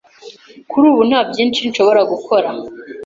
Kuri ubu, nta byinshi nshobora gukora.